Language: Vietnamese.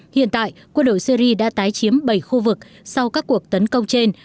hiện tại quân đội syri đã tái chiếm bảy khu vực sau các cuộc tấn công trên